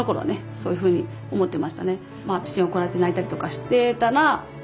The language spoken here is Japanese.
そういうふうに思ってましたね。